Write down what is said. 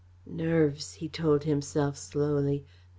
"Nerves!" he told himself slowly.